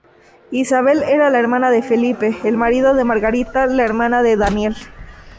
Isabel era la hermana de Felipe, el marido de Margarita la hermana de Daniel.